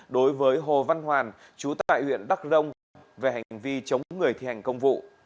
đối với hồ văn hoàn chú tại huyện đắc rông về hành vi chống người thi hành công vụ